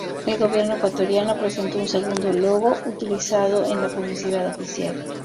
El gobierno ecuatoriano presentó un segundo logo, utilizado en la publicidad oficial.